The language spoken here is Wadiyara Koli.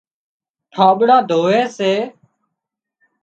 ٺانٻڙان ڌووي سي۔